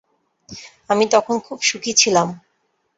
আমি তখন খুব সুখী ছিলাম।